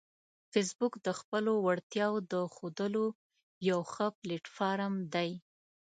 فېسبوک د خپلو وړتیاوو د ښودلو یو ښه پلیټ فارم دی